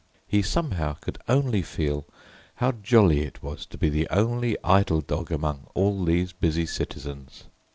he somehow could only feel how jolly it was to be the only idle dog among all these busy citizens.